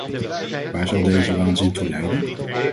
Waar zal deze waanzin toe leiden?